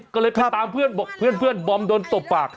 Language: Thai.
ก็เลยไปตามเพื่อนบอกเพื่อนบอมโดนตบปาก